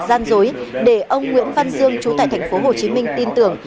gian dối để ông nguyễn văn dương trú tại thành phố hồ chí minh tin tưởng